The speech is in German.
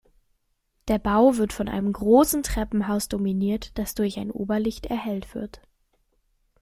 Der Bau wird von einem großen Treppenhaus dominiert, das durch ein Oberlicht erhellt wird.